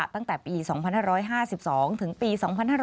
ตั้งแต่ปี๒๕๕๒ถึงปี๒๕๕๙